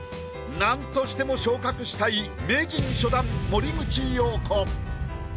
なんとしても昇格したい名人初段森口瑤子。